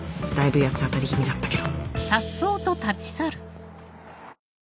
八つ当たり気味だったけど